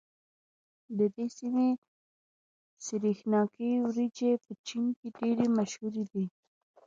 د دې سيمې سرېښناکې وريجې په چين کې ډېرې مشهورې دي.